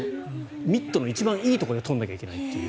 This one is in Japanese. ミットの一番いいところで取らなきゃいけない。